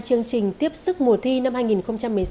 chương trình tiếp sức mùa thi năm hai nghìn một mươi sáu